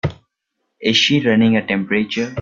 Is she running a temperature?